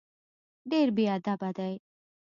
ډېر بېادبه دی.